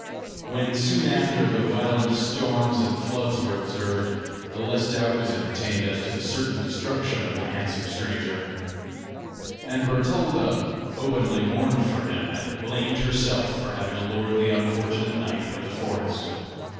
When, soon after, the violent storms and floods were observed, the less doubt was entertained as to the certain destruction of the handsome stranger; and Bertalda openly mourned for him and blamed herself for having allured the unfortunate knight into the forest.